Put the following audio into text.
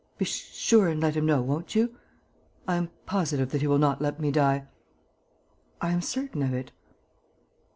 Be sure and let him know, won't you?... I am positive that he will not let me die. I am certain of it...."